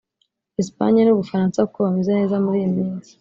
Espagne n’Ubufaransa kuko bameze neza muri iyi minsi